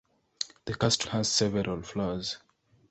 The castle has several floors.